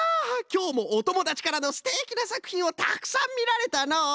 きょうもおともだちからのすてきなさくひんをたくさんみられたのう！